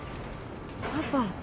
パパ。